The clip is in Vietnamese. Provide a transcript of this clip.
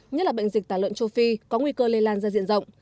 nhất là bệnh dịch tả lợn châu phi có nguy cơ lây lan ra diện rộng